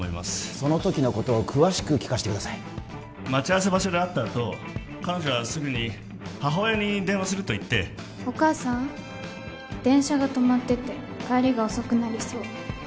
その時のことを詳しく聞かせてください待ち合わせ場所で会ったあと彼女はすぐに母親に電話すると言ってお母さん？電車が止まってて帰りが遅くなりそう